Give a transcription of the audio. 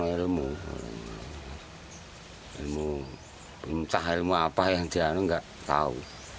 ilmu pencah ilmu apa yang dia enggak tahu